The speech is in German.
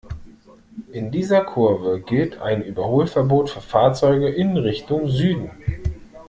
In dieser Kurve gilt ein Überholverbot für Fahrzeuge in Richtung Süden.